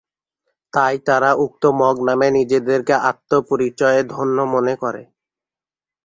তাই তারা উক্ত মগ নামে নিজেদেরকে আত্ম পরিচয়ে ধন্য মনে করে।